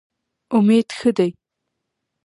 امید ښه دی.